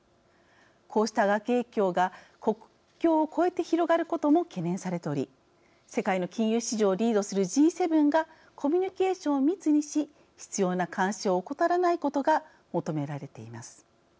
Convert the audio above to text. こうした悪影響が国境を越えて広がることも懸念されており世界の金融市場をリードするＧ７がコミュニケーションを密にし必要な監視を怠らないことが求められています。